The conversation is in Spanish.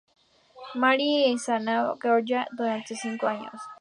Mary y en Savannah, Georgia, durante cinco años.